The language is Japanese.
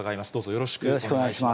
よろしくお願いします。